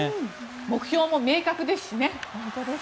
目標も明確ですしね。